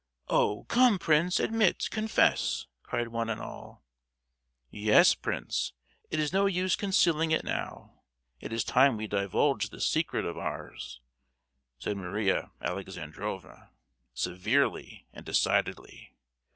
"Oh, come, prince! admit—confess!" cried one and all. "Yes, prince, it is no use concealing it now; it is time we divulged this secret of ours!" said Maria Alexandrovna, severely and decidedly.